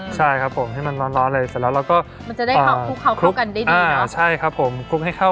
จะได้คลุกเข้ากันได้ดี